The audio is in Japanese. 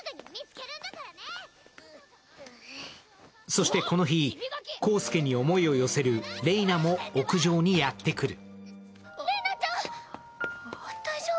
そしてこの日、航祐に思いを寄せる令依菜も屋上にやってくる。